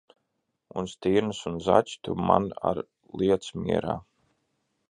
Un stirnas un zaķus tu man ar liec mierā!